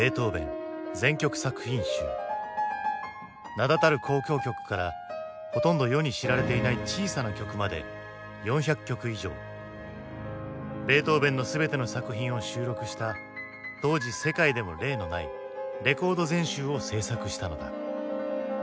名だたる交響曲からほとんど世に知られていない小さな曲まで４００曲以上ベートーヴェンの全ての作品を収録した当時世界でも例のないレコード全集を制作したのだ。